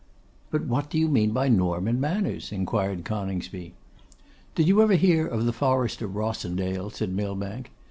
'But what do you mean by Norman manners?' inquired Coningsby. 'Did you ever hear of the Forest of Rossendale?' said Millbank.